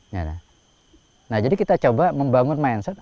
nah jadi kita coba membangun mindset